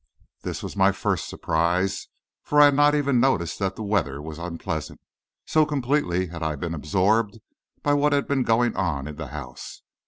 This was my first surprise, for I had not even noticed that the weather was unpleasant, so completely had I been absorbed by what had been going on in the house.